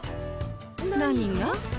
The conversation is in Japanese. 何が？